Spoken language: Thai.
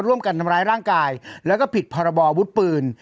ร่วมกันทำร้ายร่างกายแล้วก็ผิดพรบออาวุธปืน